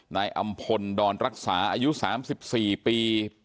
นายอำพลดอนรักษาอายุ๓๔ปี